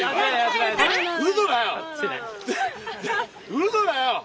うそだよ！